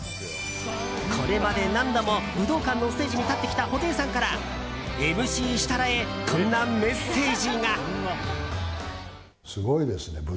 これまで何度も武道館のステージに立ってきた布袋さんからＭＣ設楽へ、こんなメッセージが。